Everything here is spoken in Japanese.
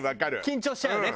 緊張しちゃうよね